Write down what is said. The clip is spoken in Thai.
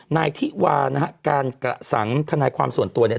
นายธิวานะฮะการกระสังทนายความส่วนตัวเนี่ย